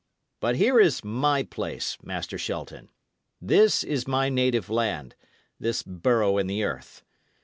But here is my place, Master Shelton. This is my native land, this burrow in the earth!